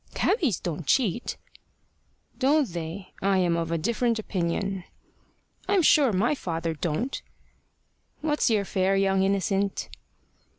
"Cabbies don't cheat." "Don't they? I am of a different opinion." "I'm sure my father don't." "What's your fare, young innocent?"